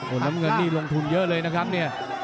น้ำเงินนี่ลงทุนเยอะเลยนะครับเนี่ย